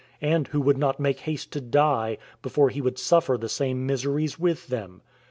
and who would not make haste to die, before he would suffer the same miseries with them?